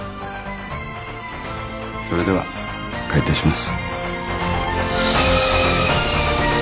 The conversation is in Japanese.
それでは開廷します。